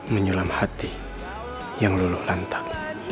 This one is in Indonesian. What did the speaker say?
menyulam hati yang luluh lantak